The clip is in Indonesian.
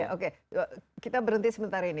oke kita berhenti sebentar ini